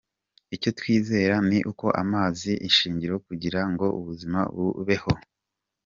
Icyo twizera ni uko amazi ari ishingiro kugira ngo ubuzima bubeho.